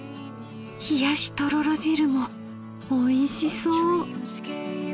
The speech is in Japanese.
「ひやしとろろ汁」もおいしそう！